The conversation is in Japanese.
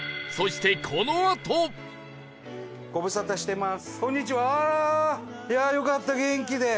ご無沙汰してます。